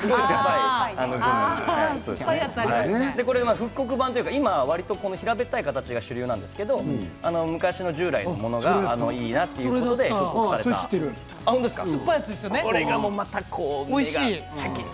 復刻版というか今、平べったい形が主流ですが昔の従来のものがいいなということで復刻されたものです。